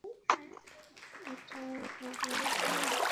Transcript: এটা কাবুল না রে, ভাই।